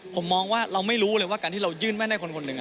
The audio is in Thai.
ผมมองว่าเราไม่รู้เลยว่าการที่เรายื่นแม่นให้คนหนึ่ง